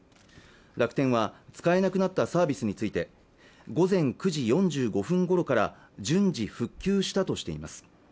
楽天は使えなくなったサービスについて午前９時４５分ごろから順次復旧したとしています